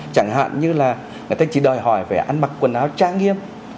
chẳng hạn như là người ta chỉ đòi hỏi phải ăn mặc quần áo trang nghiêm